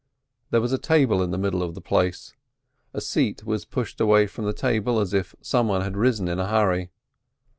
There was a table in the middle of the place. A seat was pushed away from the table as if some one had risen in a hurry.